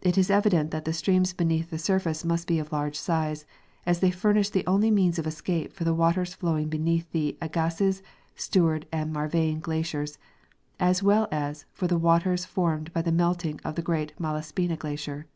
It is evident that the streams beneath the surface must be of large size, as they furnish the only means of escape for the waters flowing beneath the Agassiz, Seward and Marvine glaciers, as well as for the waters formed by the melting of the great Malaspina glacier.